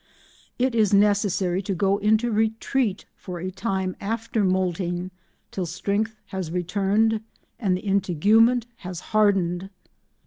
It is necessary to go into retreat for a time after moulting, till strength has returned and the integument has hardened.